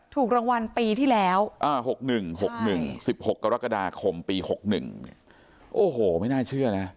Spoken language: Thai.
ถูกรางวัลปีที่แล้ว๖๑๖๑๑๖กรกฎาคมปี๖๑เนี่ยโอ้โหไม่น่าเชื่อนะ